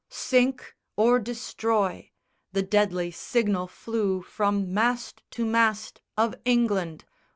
Sink or destroy! The deadly signal flew From mast to mast of England.